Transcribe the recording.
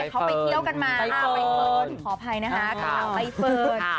เขาไปเที่ยวกันมาบ๊ายเฟิร์นขออภัยนะคะบ๊ายเฟิร์น